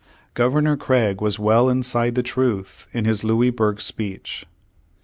Gov ernor Craig was well inside the truth in his Louis burg speech.